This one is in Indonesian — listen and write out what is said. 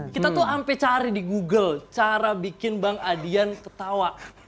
kita tuh sampai cari di google cara bikin bang adian ketawa